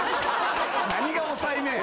何が抑えめや。